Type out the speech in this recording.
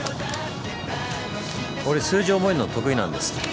俺数字覚えんの得意なんです。